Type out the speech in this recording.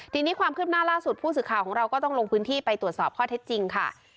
ทีนี้ความคืบหน้าล่าสุดผู้สื่อข่าวของเราก็ต้องลงพื้นที่ไปตรวจสอบข้อเท็จจริงค่ะ